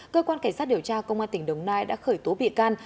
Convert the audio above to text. cơ quan cảnh sát điều tra công an tỉnh đồng nai đã khởi tố bị can